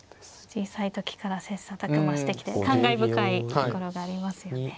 小さい時から切磋琢磨してきて感慨深いところがありますよね。